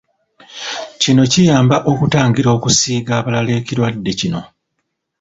Kino kiyamba okutangira okusiiga abalala ekirwadde kino.